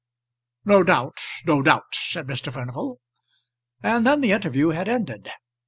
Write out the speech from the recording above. "No doubt; no doubt," said Mr. Furnival; and then the interview had ended.